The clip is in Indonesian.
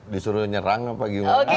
disuruh nyerang apa gimana